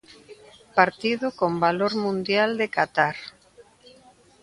Partido con valor mundial de Qatar.